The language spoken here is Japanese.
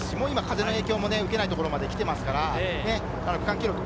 今、風の影響を受けないところまできています。